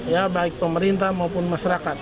ya baik pemerintah maupun masyarakat